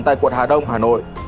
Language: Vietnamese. tại quận hà đông hà nội